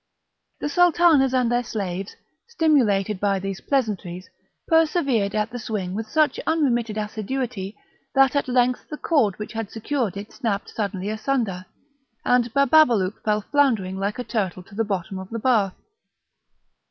The sultanas and their slaves, stimulated by these pleasantries, persevered at the swing with such unremitted assiduity, that at length the cord which had secured it snapped suddenly asunder, and Bababalouk fell floundering like a turtle to the bottom of the bath.